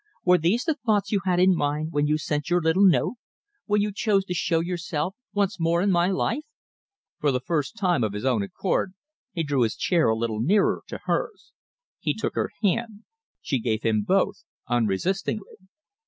Were these the thoughts you had in your mind when you sent your little note? when you chose to show yourself once more in my life?" For the first time of his own accord, he drew his chair a little nearer to hers. He took her hand. She gave him both unresistingly.